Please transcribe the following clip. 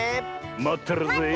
まってるぜえ。